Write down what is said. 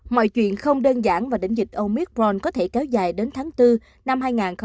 mọi chuyện không đơn giản và đỉnh dịch omicron có thể kéo dài đến tháng bốn năm hai nghìn hai mươi